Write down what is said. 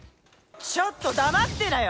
ちょっと黙ってなよ！